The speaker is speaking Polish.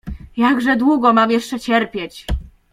"Jakże długo mam jeszcze cierpieć?"